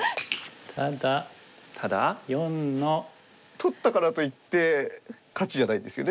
取ったからといって勝ちじゃないんですよね